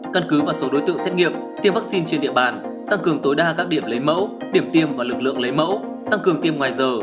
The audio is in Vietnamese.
căn cứ vào số đối tượng xét nghiệm tiêm vaccine trên địa bàn tăng cường tối đa các điểm lấy mẫu điểm tiêm và lực lượng lấy mẫu tăng cường tiêm ngoài giờ